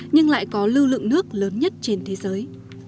nhưng lại có lưu lượng nước lớn nhất trên thế giới